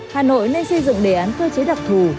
hà nội nên xây dựng đề án cơ chế đặc thù